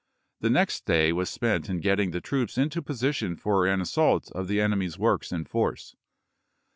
The next day was spent in getting the troops into position for an assault of the enemy's works in force.